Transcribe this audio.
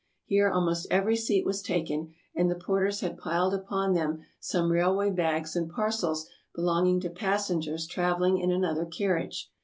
Here almost every seat was taken, and the porters had piled upon them some railway bags and parcels belonging to passen gers traveling in another carriage.